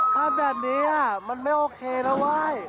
ถ้าแบบนี้มันไม่โอเคแล้วเว้ย